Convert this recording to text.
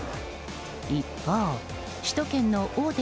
一方、首都圏の大手